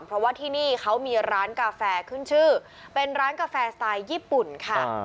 เพราะว่าที่นี่เขามีร้านกาแฟขึ้นชื่อเป็นร้านกาแฟสไตล์ญี่ปุ่นค่ะ